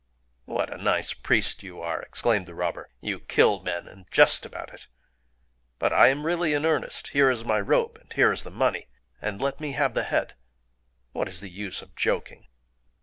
"What a nice priest you are!" exclaimed the robber. "You kill men, and jest about it!... But I am really in earnest. Here is my robe; and here is the money;—and let me have the head... What is the use of joking?"